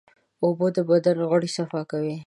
اوبه د بدن غړي صفا کوي.